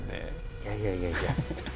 いやいやいやいや。